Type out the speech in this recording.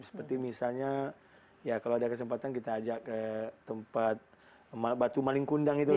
seperti misalnya ya kalau ada kesempatan kita ajak ke tempat batu malingkundang itu